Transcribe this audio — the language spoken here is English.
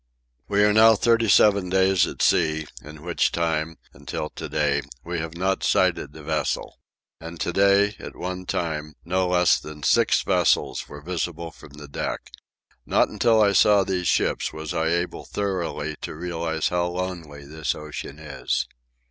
We are now thirty seven days at sea, in which time, until to day, we have not sighted a vessel. And to day, at one time, no less than six vessels were visible from the deck. Not until I saw these ships was I able thoroughly to realize how lonely this ocean is.